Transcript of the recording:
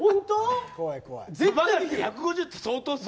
１５０って相当ですよ。